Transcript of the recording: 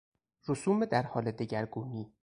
رسوم در حال دگرگونی